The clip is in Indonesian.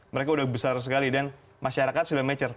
mereka sudah besar sekali dan masyarakat sudah mature